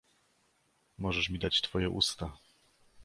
"Możesz mi dać twoje usta!"